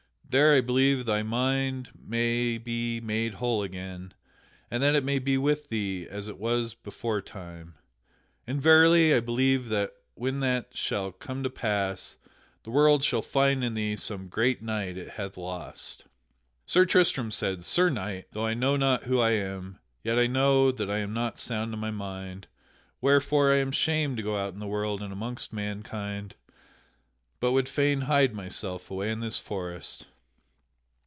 There I believe thy mind maybe made whole again, and that it may be with thee as it was beforetime. And verily, I believe that when that shall come to pass, the world shall find in thee some great knight it hath lost." Sir Tristram said: "Sir Knight, though I know not who I am, yet I know that I am not sound in my mind; wherefore I am ashamed to go out in the world and amongst mankind, but would fain hide myself away in this forest.